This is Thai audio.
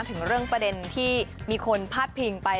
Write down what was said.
ถึงเรื่องประเด็นที่มีคนพาดพิงไป